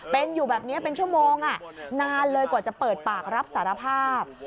เป็นอยู่แบบนี้เป็นชั่วโมงนานเลยกว่าจะเปิดปากรับสารภาพ